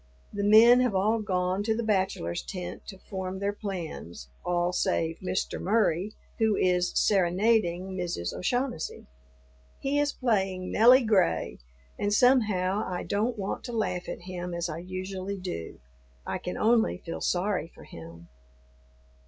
The men have all gone to the bachelors' tent to form their plans, all save Mr. Murry, who is "serenading" Mrs. O'Shaughnessy. He is playing "Nelly Gray," and somehow I don't want to laugh at him as I usually do; I can only feel sorry for him.